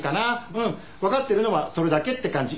うんわかってるのはそれだけって感じ。